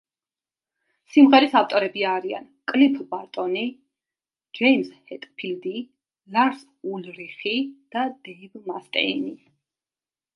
სიმღერის ავტორები არიან კლიფ ბარტონი, ჯეიმზ ჰეტფილდი, ლარს ულრიხი და დეივ მასტეინი.